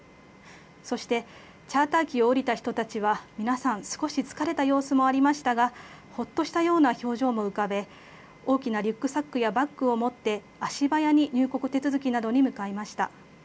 そして、チャーター機を降りた人たちは、皆さん少し疲れた様子もありましたが、ほっとしたような表情も浮かべ、大きなリュックサックやバッグを持って、足早に入国手続きなどに向かいました。